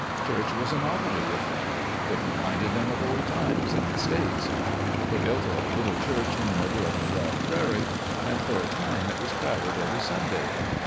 Church was a novelty with them. It reminded them of old times "in the States." They built a little church in the middle of a broad prairie, and for a time it was crowded every Sunday.